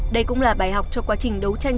đây cũng là bài học cho quá trình đấu tranh